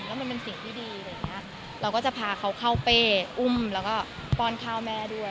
แล้วมันเป็นสิ่งที่ดีอะไรอย่างเงี้ยเราก็จะพาเขาเข้าเป้อุ้มแล้วก็ป้อนข้าวแม่ด้วย